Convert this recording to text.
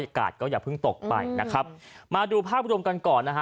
อากาศก็อย่าเพิ่งตกไปนะครับมาดูภาพรวมกันก่อนนะฮะ